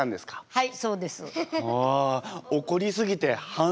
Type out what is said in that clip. はい！